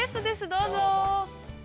どうぞ。